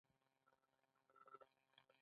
پېسې د ازادۍ وسیله وي، خو د غلامۍ سبب هم کېدای شي.